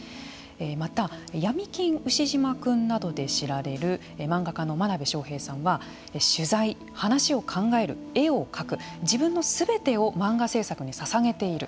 また、「闇金ウシジマくん」などで知られる漫画家の真鍋昌平さんは取材、話を考える絵を描く自分のすべてを漫画制作にささげている。